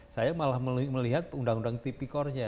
saya malah melihat undang undang tp core nya